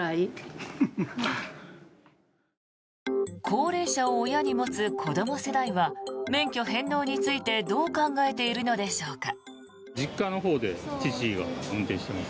高齢者を親に持つ子ども世代は免許返納についてどう考えているのでしょうか。